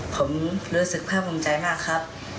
ผมรู้สึกภาพภูมิใจมากครับ